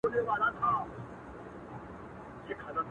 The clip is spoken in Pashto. o چي مرگ سوى وو داسي مړی ئې نه وو کړى!